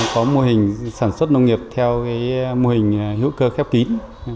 có mô hình sản xuất nông nghiệp theo mô hình hữu cơ khép kín